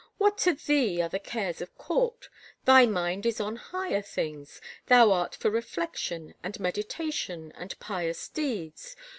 What to thee are the cares of court? Thy mind is on higher things; thou art for reflection and meditation and pious deeds.